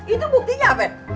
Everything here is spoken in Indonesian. itu buktinya apa ya